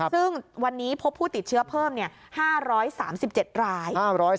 ซึ่งวันนี้พบผู้ติดเชื้อเพิ่ม๕๓๗ราย